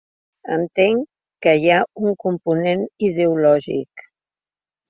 Entenc que hi ha un component ideològic.